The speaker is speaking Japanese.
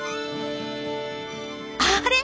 あれ？